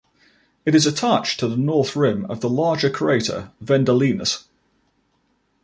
It is attached to the north rim of the larger crater Vendelinus.